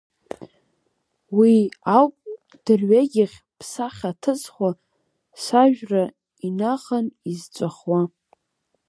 Уи ауп дырҩегьых бсахьа ҭызхуа, сажәра инахан изҵәахуа.